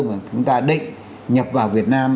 mà chúng ta định nhập vào việt nam